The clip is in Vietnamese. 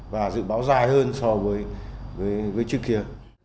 và dự báo dài hơn so với trước kia